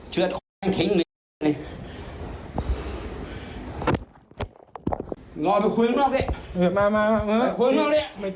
เชือดของแก๊งทิ้งหนี้